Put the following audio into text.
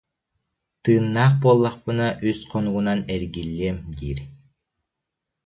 Тыыннаах буоллахпына үс хонугунан эргиллиэм диир